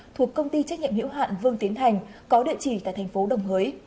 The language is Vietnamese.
thuộc công ty trách nhiệm hữu hạn vương tiến thành có địa chỉ tại thành phố đồng hới